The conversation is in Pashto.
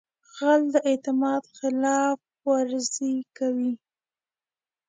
غل د اعتماد خلاف ورزي کوي